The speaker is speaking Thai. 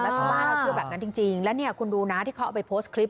ชาวบ้านเราเชื่อแบบนั้นจริงแล้วเนี่ยคุณดูนะที่เขาเอาไปโพสต์คลิป